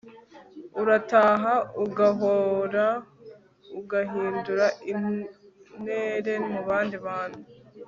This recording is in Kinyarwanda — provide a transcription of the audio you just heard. urataha ugahonda ugahindura intere mubandi bantu